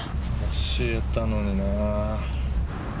教えたのにな。